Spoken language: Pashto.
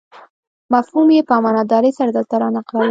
مفهوم یې په امانتدارۍ سره دلته رانقلوم.